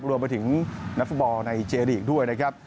รวมไปถึงนักฟุตบอลในเจลีกด้วยนะครับ